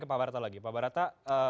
ke pak barata lagi pak barata